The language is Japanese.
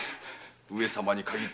上様に限って。